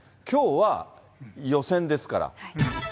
きょうは予選ですから。